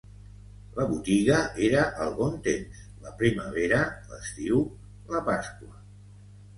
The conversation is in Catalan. La botiga era el bon temps, la primavera, l’estiu, la Pasqua